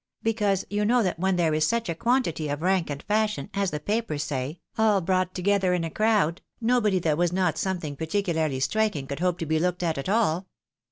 Because you know that when there is such a quantity of rank and fashion, as the papers say, all brought together in a crowd, nobody that was not something particularly striking could hope to be looked at at all.